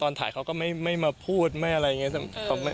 ตอนถ่ายเขาก็ไม่มาพูดอะไรอย่างงี้เนี่ยเอิ้ม